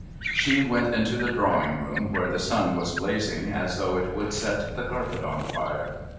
She went into the drawing room, where the sun was blazing as though it would set the carpet on fire.